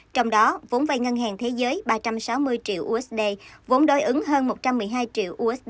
trong đó vốn vay ngân hàng thế giới ba trăm sáu mươi triệu usd vốn đối ứng hơn một trăm một mươi hai triệu usd